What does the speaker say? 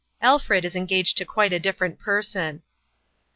" Alfred is engaged to quite a different person."